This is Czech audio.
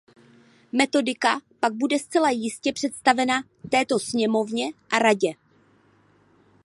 Metodika pak bude zcela jistě představena této sněmovně a Radě.